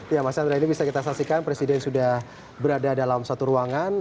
ya mas sandra ini bisa kita saksikan presiden sudah berada dalam satu ruangan